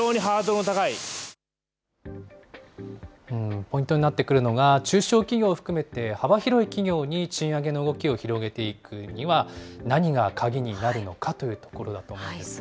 ポイントになってくるのが、中小企業を含めて幅広い企業に賃上げの動きを広げていくには何が鍵になるのかというところだと思うんですが。